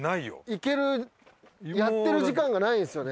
行けるやってる時間がないんですよね。